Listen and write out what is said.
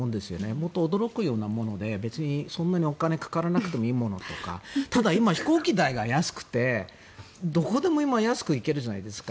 もっと驚くようなものでそんなにお金がかからなくていいものとかただ、今、飛行機代が安くてどこでも安く行けるんじゃないですか。